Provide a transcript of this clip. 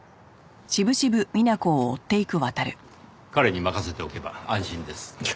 彼に任せておけば安心です。